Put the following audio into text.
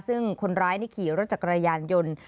ซึ่งคนร้ายนี่ขี่รถจักรยานยนต์